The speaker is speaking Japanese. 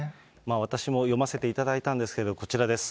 私も読ませていただいたんですけれども、こちらです。